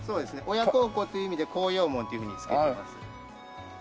親孝行っていう意味で孝養門っていうふうに付けてます。